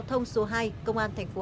và phong tố cho các bệnh nhân cấp cứu